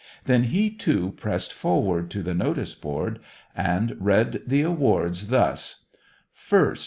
Then he, too, pressed forward to the notice board, and read the awards, thus: 1st...